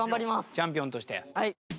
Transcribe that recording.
チャンピオンとして。